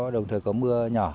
đồng thời có mưa nhỏ